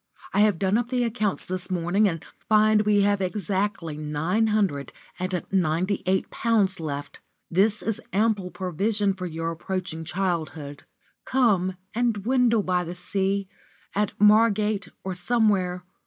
I have done up the accounts this morning, and find we have exactly nine hundred and ninety eight pounds left. This is ample provision for your approaching childhood. Come and dwindle by the sea at Margate or somewhere.